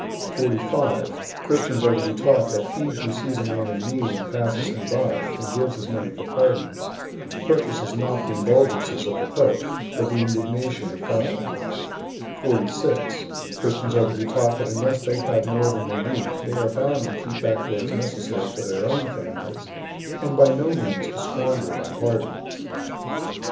45. 45. Christians are to be taught that he who sees a man in need, and passes him by, and gives [his money] for pardons, purchases not the indulgences of the pope, but the indignation of God. 46. Christians are to be taught that unless they have more than they need, they are bound to keep back what is necessary for their own families, and by no means to squander it on pardons.